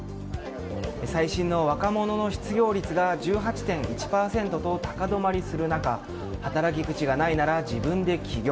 最新の若者の失業率が１８．１％と高止まりする中働き口がないなら自分で起業。